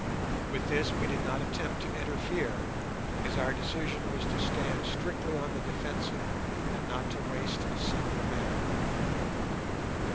With this we did not attempt to interfere, as our decision was to stand strictly on the defensive, and not to waste a single man.